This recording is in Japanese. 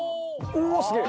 うわっすげえ！